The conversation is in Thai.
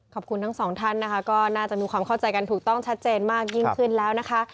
ขอบคุณทั้งสองท่านนะคะก็น่าจะมีความเข้าใจกันถูกต้องชัดเจนมากยิ่งขึ้นแล้วนะคะ